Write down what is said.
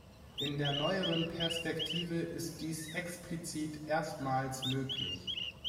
In der neueren Perspektive ist dies explizit erstmals möglich.